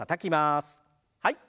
はい。